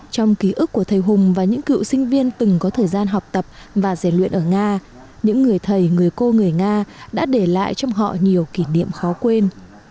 trong ký ức của thầy hùng và những cựu sinh viên từng có thời gian học tập và giải luyện ở nga những người thầy người cô người nga đã để lại trong họ nhiều kỷ niệm khó quên